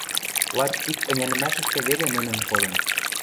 Лач ик ӹнянӹмӓшӹштӹ веле нӹнӹн кодын.